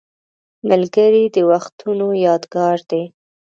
ملګری د وختونو یادګار دی